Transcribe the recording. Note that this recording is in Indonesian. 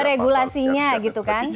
ada regulasinya gitu kan